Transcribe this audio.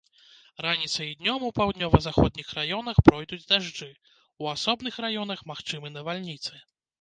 Раніцай і днём у паўднёва-заходніх раёнах пройдуць дажджы, у асобных раёнах магчымы навальніцы.